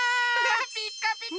ピッカピカ！